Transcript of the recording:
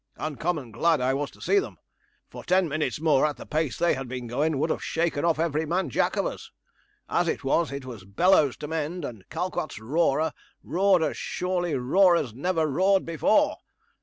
Uncommon glad I was to see them; for ten minutes more, at the pace they had been going, would have shaken off every man Jack of us. As it was, it was bellows to mend; and Calcott's roarer roared as surely roarer never roared before.